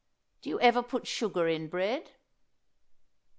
_ Do you ever put sugar in bread?